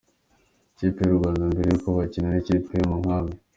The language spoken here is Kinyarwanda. Ikipe y'u Rwanda mbere y'uko bakina n'ikipe yo mu nkambi